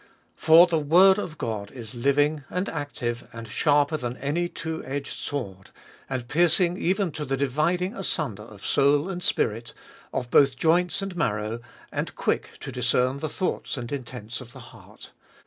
For the word of God is living, and active, and sharper than any two edged sword, and piercing even to the dividing asunder of soul and spirit, of both joints and marrow, and quick to discern the thoughts and intents of the heart.